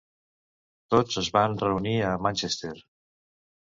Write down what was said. Tots es van reunir a Manchester.